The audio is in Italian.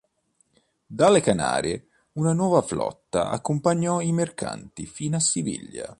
Dalle Canarie una nuova flotta accompagnò i mercanti fino a Siviglia.